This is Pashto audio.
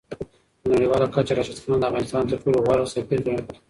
په نړیواله کچه راشد خان د افغانستان تر ټولو غوره سفیر ګڼل کېږي.